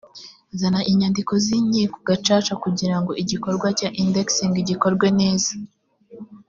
zana inyandiko zinkiko gacaca kugira ngo igikorwa cya indexing gikorwe neza